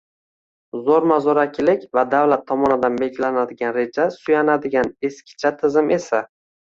Zo‘rma-zo‘rakilik va davlat tomonidan belgilanadigan rejaga suyanadigan eskicha tizim esa